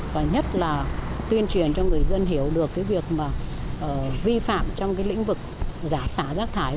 và nhất là tuyên truyền cho người dân hiểu được việc vi phạm trong lĩnh vực giả sả rác thải